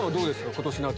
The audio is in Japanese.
今年夏。